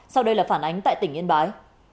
sau đây là phản ánh tại tỉnh yên bái